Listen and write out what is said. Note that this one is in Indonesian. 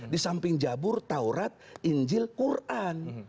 di samping jabur taurat injil quran